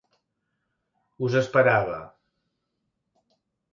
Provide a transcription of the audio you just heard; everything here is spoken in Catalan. Us esperava.